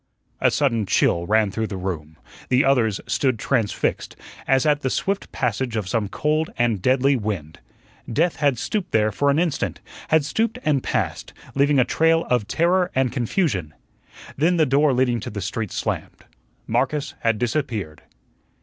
A sudden chill ran through the room; the others stood transfixed, as at the swift passage of some cold and deadly wind. Death had stooped there for an instant, had stooped and past, leaving a trail of terror and confusion. Then the door leading to the street slammed; Marcus had disappeared.